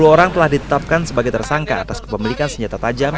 sepuluh orang telah ditetapkan sebagai tersangka atas kepemilikan senjata tajam